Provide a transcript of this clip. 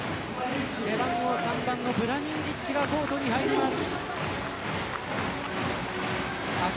背番号３番のプラニンジッチがコートに入ります。